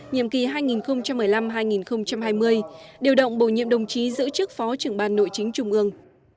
nhiệm kỳ hai nghìn một mươi năm hai nghìn hai mươi điều động bổ nhiệm đồng chí giữ chức phó trưởng ban nội chính trung ương